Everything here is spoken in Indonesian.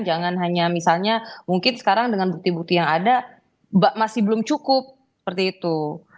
jangan hanya misalnya mungkin sekarang dengan bukti bukti yang ada masih belum cukup seperti itu